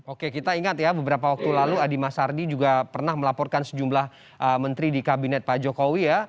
oke kita ingat ya beberapa waktu lalu adi masardi juga pernah melaporkan sejumlah menteri di kabinet pak jokowi ya